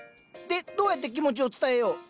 でどうやって気持ちを伝えよう？